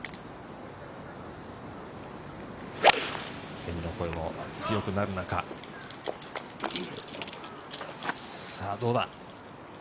セミの声も強くなる中、さぁ、どうだ？